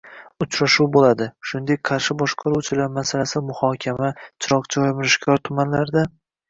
Uchrashuv bo'ladi, shuningdek, Qarshi Boshqaruvchilar masalani muhokama, Chiroqchi va Mirishkor tumanlarida